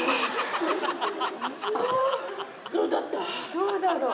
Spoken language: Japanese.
どうだろう？